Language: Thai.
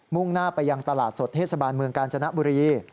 ่งหน้าไปยังตลาดสดเทศบาลเมืองกาญจนบุรี